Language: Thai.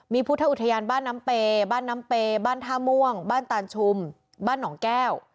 มีพุทธอุทยานบ้านน้ำเปย์บ้านน้ำเปย์บ้านท่าม่วงบ้านตานชุมบ้านหนองแก้ว